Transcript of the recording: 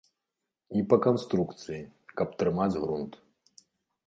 І па канструкцыі, каб трымаць грунт.